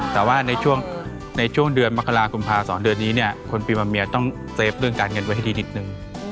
แต่ว่าในช่วงเดือนมกรากุมภาษรเดือนนี้เนี่ยคนปีมะเมียต้องเซฟเรื่องการเงินไว้ให้ดีนิดนึง